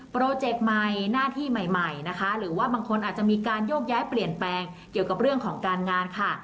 เจกต์ใหม่หน้าที่ใหม่นะคะหรือว่าบางคนอาจจะมีการโยกย้ายเปลี่ยนแปลงเกี่ยวกับเรื่องของการงานค่ะ